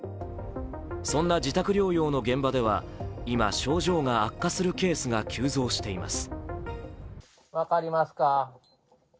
そんな自宅療養の現場では、今、症状が悪化するケースが急増しています。